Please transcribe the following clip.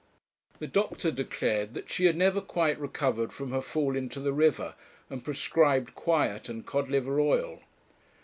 The doctor declared that she had never quite recovered from her fall into the river, and prescribed quiet and cod liver oil.